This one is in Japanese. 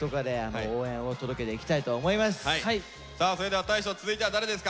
はい！